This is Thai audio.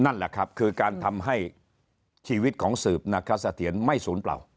นั่นแหละครับคือการทำให้ชีวิตของสืบนาคสะเทียนไม่ศูนย์เปล่า